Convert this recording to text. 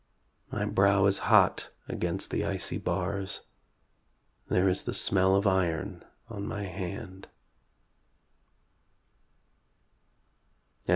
. My brow is hot against the icy bars; There is the smell of iron on my hand.